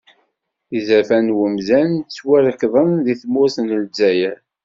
Izerfan n wemdan ttwarekḍen di tmurt n lezzayer.